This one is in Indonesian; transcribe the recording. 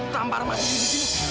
tambar maksudku disini